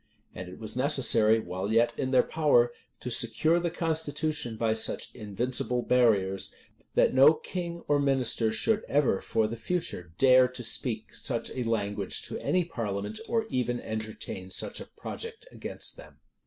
And it was necessary, while yet in their power, to secure the constitution by such invincible barriers, that no king or minister should ever, for the future, dare to speak such a language to any parliament, or even entertain such a project against them.